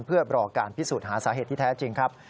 เพื่อรอการพิสูจน์หาสาเหตุที่แท้จริงครับ